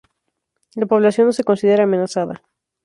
La población no se considera amenazada.